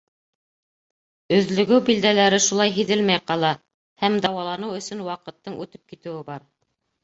Өҙлөгөү билдәләре шулай һиҙелмәй ҡала, һәм дауаланыу өсөн ваҡыттың үтеп китеүе бар.